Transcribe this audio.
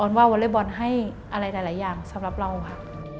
ว่าวอเล็กบอลให้อะไรหลายอย่างสำหรับเราค่ะ